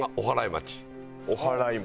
おはらい町？